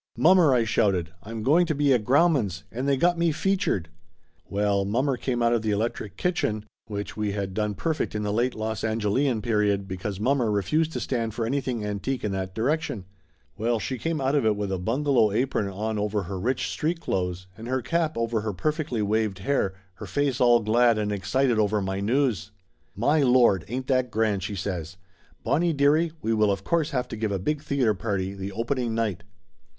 "Mommer!" I shouted. "I'm going to be at Grau man's, and they got me featured !" Well, mommer came out of the electric kitchen, which 216 Laughter Limited we had done perfect in the Late Los Angelean period because mommer refused to stand for anything antique in that direction ; well, she came out of it with a bunga low apron on over her rich street clothes, and her cap over her perfectly waved hair, her face all glad and excited over my news. "My Lord, ain't that grand!" she says. "Bonnie dearie, we will of course have to give a big theater party the opening night